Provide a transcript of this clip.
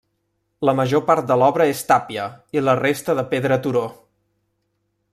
La major part de l'obra és tàpia i la resta de pedra turó.